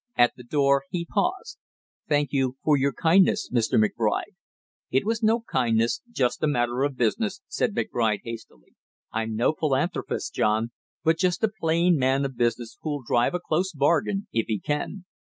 At the door he paused. "Thank you for your kindness, Mr. McBride!" "It was no kindness, just a matter of business" said McBride hastily. "I'm no philanthropist, John, but just a plain man of business who'll drive a close bargain if he can."